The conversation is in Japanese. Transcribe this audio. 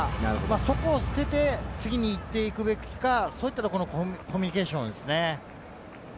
そこを捨てて次に行くべきか、そういったところのコミュニケーションですね。